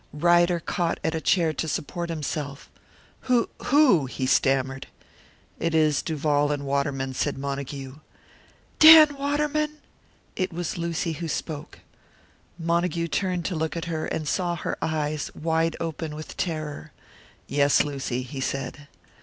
Ryder caught at a chair to support himself. "Who? Who?" he stammered. "It is Duval and Waterman," said Montague. "Dan Waterman!" It was Lucy who spoke. Montague turned to look at her, and saw her eyes, wide open with terror. "Yes, Lucy," he said.